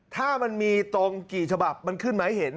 ถ้ามันมีตรงกี่ฉบับมันขึ้นมาให้เห็น